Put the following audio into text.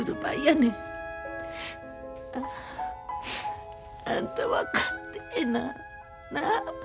なあ？あんた分かってえな。なあ？